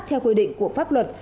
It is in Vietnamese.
theo quy định của pháp luật